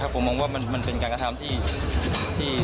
ผมมองว่ามันเป็นการกระทำที่